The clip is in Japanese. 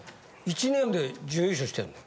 １年で準優勝してんの？